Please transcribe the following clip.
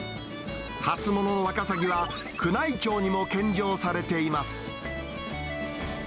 初物のワカサギは宮内庁にも献上されています。